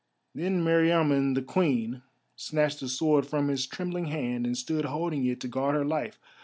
Then Meriamun the Queen snatched the sword from his trembling hand and stood holding it to guard her life.